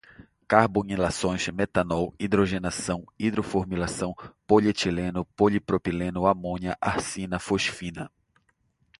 carbonilações, metanol, hidrogenação, hidroformilação, polietileno, polipropileno, amônia, arsina, fosfina